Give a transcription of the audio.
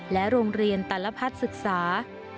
และโรงเรียนตลพัดศึกษา